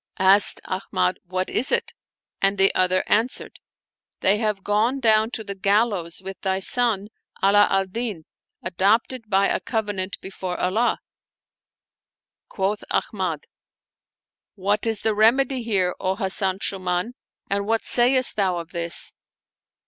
Asked Ahmad, " What is it ?" and the other answered, "They have gone down to the gal lows with thy son Ala al Din, adopted by a covenant before Allah!" Quoth Ahmad, "What is the rem edy here, O Hasan Shuuman, and what sayest thou of this?"